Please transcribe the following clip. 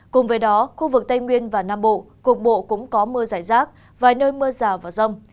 cùng với đó khu vực tây nguyên và nam bộ cục bộ cũng có mưa giải rác vài nơi mưa rào và rông